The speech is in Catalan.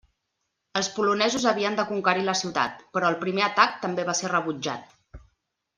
Els polonesos havien de conquerir la ciutat, però el primer atac també va ser rebutjat.